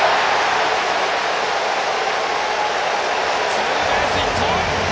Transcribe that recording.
ツーベースヒット。